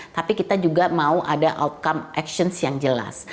tapi kita juga mau ada outcome actions yang jelas